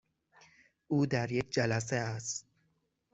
او در یک جلسه است.